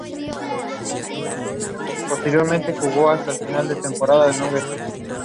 Se considera uno de los edificios más importantes del modernismo en la Cataluña meridional.